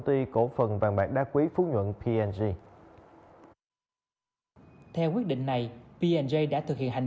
ty cổ phần vàng mạc đá quý phú nhuận theo quyết định này p j đã thực hiện hành